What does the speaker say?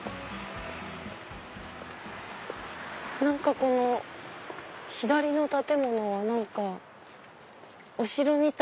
何かこの左の建物はお城みたいな。